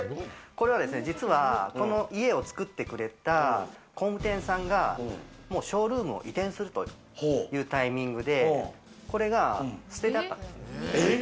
これは実は家を作ってくれた工務店さんがショールームを移転するというタイミングでこれが捨ててあったんです。